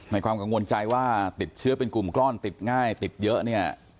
ความกังวลใจว่าติดเชื้อเป็นกลุ่มก้อนติดง่ายติดเยอะเนี่ย